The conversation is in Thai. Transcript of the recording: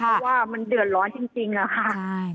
เพราะว่ามันเดือดร้อนจริงอะค่ะ